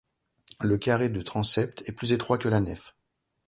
Le carré du transept est plus étroit que la nef.